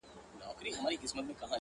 • ځي تر قصابانو په مالدار اعتبار مه کوه,